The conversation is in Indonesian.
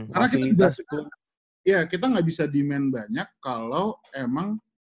karena kita udah suka ya kita nggak bisa demand banyak kalau emang basket itu ya itu